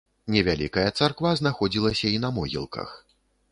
Невялікая царква знаходзілася і на могілках.